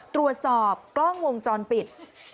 ตรวจสอบกล้องวงจรปิด